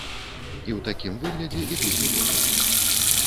І ў такім выглядзе ідуць у ложак.